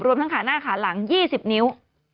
ทั้งขาหน้าขาหลัง๒๐นิ้ว